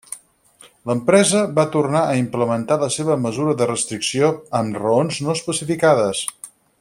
L'empresa va tornar a implementar la seva mesura de restricció amb raons no especificades.